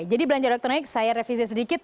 jadi belanja elektronik saya revisa sedikit